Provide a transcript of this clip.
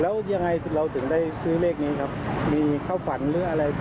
แล้วยังไงเราถึงได้ซื้อเลขนี้ครับมีเข้าฝันหรืออะไร